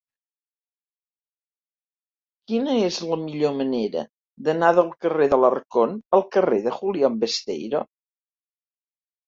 Quina és la millor manera d'anar del carrer d'Alarcón al carrer de Julián Besteiro?